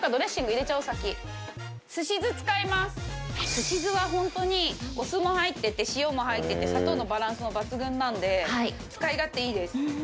すし酢は本当にお酢も入ってて塩も入ってて砂糖のバランスも抜群なので使い勝手いいです。